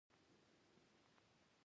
د فکر لپاره میدان وړوکی کېږي.